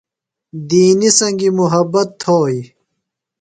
دینیۡ سنگیۡ محبت تھوئی